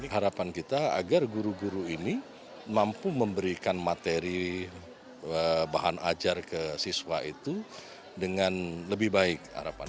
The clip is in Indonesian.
harapan kita agar guru guru ini mampu memberikan materi bahan ajar ke siswa itu dengan lebih baik